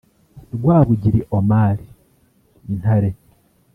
Rwabugiri Omar (Intare)